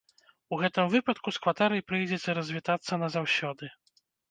У гэтым выпадку з кватэрай прыйдзецца развітацца назаўсёды.